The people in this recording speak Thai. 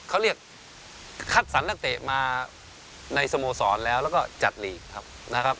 เขาเรียกคัดสันลักเตะมาในสโมศนแล้วก็จัดหลีกนะครับ